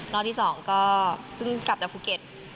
รอบที่สองก็กลับจากภูเก็ต